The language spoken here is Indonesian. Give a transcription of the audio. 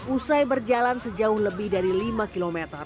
usai berjalan sejauh lebih dari lima km